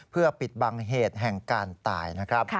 เพื่อปิดบังเหตุแห่งการตายนะครับ